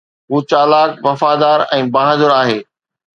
هو چالاڪ، وفادار ۽ بهادر آهي